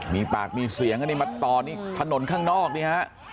มีปากมีเสียงอันนี้มาต่อนี่ถนนข้างนอกนี่ฮะ